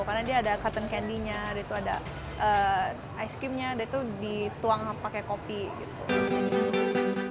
karena dia ada cotton candy nya ada ice cream nya itu dituang pakai kopi gitu